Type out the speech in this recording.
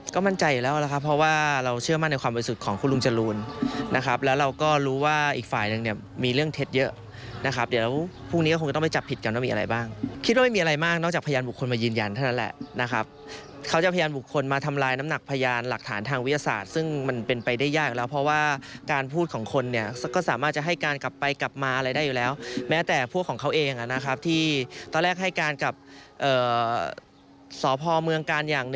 ของเขาเองที่ตอนแรกให้การกับสพเมืองการอย่างหนึ่ง